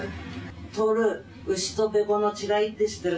「“達牛とべこの違いって知っているか？”」